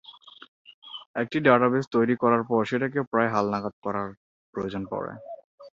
একটি ডাটাবেজ তৈরী করার পর সেটাকে প্রায়ই হালনাগাদ করার প্রয়োজন পড়ে।